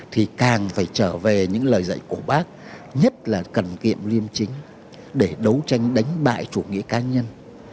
thì càng phải trở về những lời dạy của bác nhất là cần kiệm liêm chính để đấu tranh đánh bại chủ nghĩa cá nhân